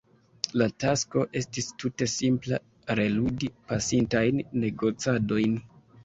La tasko estis tute simpla: reludi pasintajn negocadojn.